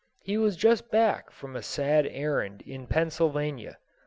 He was just back from a sad errand in Pennsylvania.